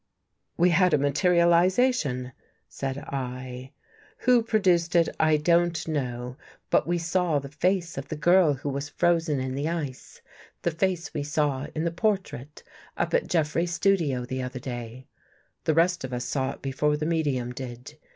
"" We had a materialization," said 1. " Who pro 9 I2I THE GHOST GIRL duced it, I don't know. But we saw the face of the girl who was frozen in the ice — the face we saw in the portrait up at Jeffrey's studio the other day. The rest of us saw it before the medium did.